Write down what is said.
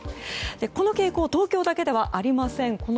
この傾向東京だけではありません。